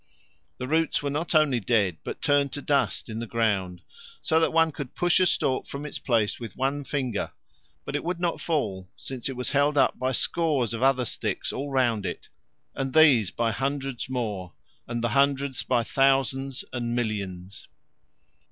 The roots were not only dead but turned to dust in the ground, so that one could push a stalk from its place with one finger, but it would not fall since it was held up by scores of other sticks all round it, and these by hundreds more, and the hundreds by thousands and millions.